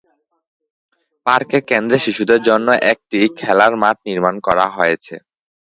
পার্কের কেন্দ্রে শিশুদের জন্য একটি খেলার মাঠ নির্মাণ করা হয়েছে।